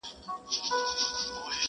،چي د اُمید شمه مي کوچ له شبستانه سوله،